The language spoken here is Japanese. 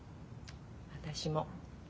私も。